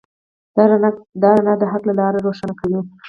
دا رڼا د حق لاره روښانه کوي.